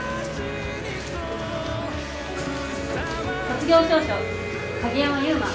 「卒業証書鍵山優真」。